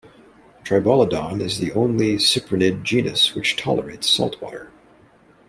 "Tribolodon" is the only cyprinid genus which tolerates salt water.